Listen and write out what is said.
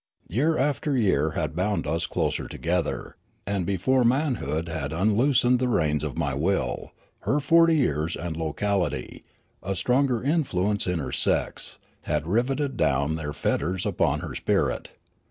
Year after year had bound us closer together, and, before man hood had unloosed the reins of my will, her forty years and locality — a stronger influence in her sex— had riveted down their fetters upon her spirit.